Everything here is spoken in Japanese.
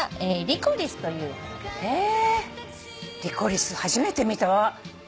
リコリス初めて見たわ。